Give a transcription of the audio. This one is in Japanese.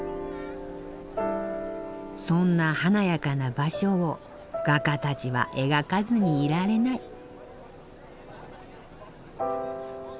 そんな華やかな場所を画家たちは描かずにいられない。